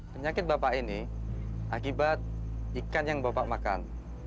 penyakit bapak ini akibat ikan yang bapak makan